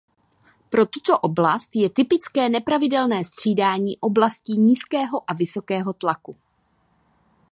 Pro tuto oblast je typické nepravidelné střídání oblastí nízkého a vysokého tlaku.